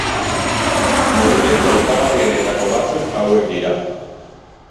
Monumentu aipagarrienetako batzuk hauek dira.